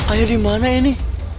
ayah dimana ini